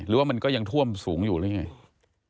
หรือว่ามันก็ยังท่วมสูงอยู่หรือยังไง